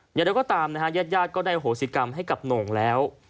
อย่างไรก็ตามนะฮะญาติญาติก็ได้โหสิกรรมให้กับโหน่งแล้ว